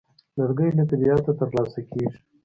لرګی له طبیعته ترلاسه کېږي.